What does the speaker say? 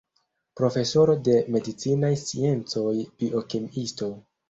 Profesoro de medicinaj sciencoj, biokemiisto.